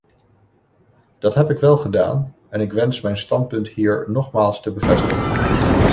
Dat heb ik wel gedaan en ik wens mijn standpunt hier nogmaals te bevestigen.